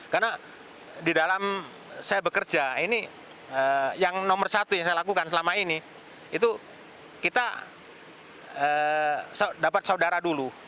karena di dalam saya bekerja ini yang nomor satu yang saya lakukan selama ini itu kita dapat saudara dulu